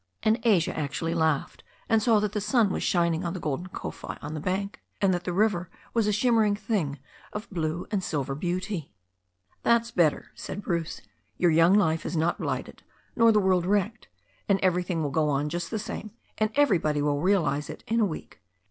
And Asia actually laughed, and saw that the sun was shining on a golden kowhai on the bank, and that the river was a shimmering thing of blue and silver beauty. "That's better/' said Bruce. "Your young life is not blighted, nor the world wrecked. And everything will go on jus^ the same,* and everybody will realize it in a week.